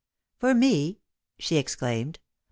"For me!" she exclaimed.